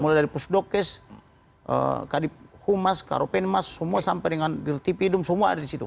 mulai dari pusdokes kadip humas karupen mas semua sampai dengan dir t pidum semua ada di situ